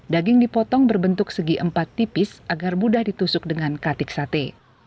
daging dipotong berbentuk segi empat tipis agar mudah ditusuk dengan katik sate